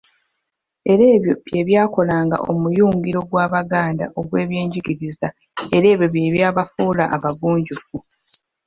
Era ebyo bye byakolanga omuyungiro gw’Abaganda ogw’ebyenjigiriza era ebyo bye byabafuula abagunjufu.